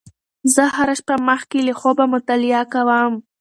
زه هره شپه مخکې له خوبه مطالعه کوم.